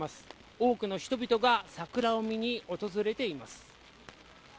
多くの人々が桜を見に訪れています。